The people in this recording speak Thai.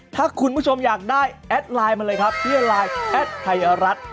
ถ้าคุณผู้ชมอยากได้แอดไลน์มาเลยครับที่ไลน์แอดไทยรัฐ